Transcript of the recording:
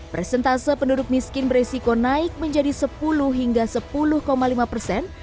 presentase penduduk miskin beresiko naik menjadi sepuluh hingga sepuluh lima persen